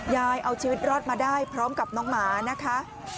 ยายเอาชีวิตรอดมาได้พร้อมกับน้องหมานะคะ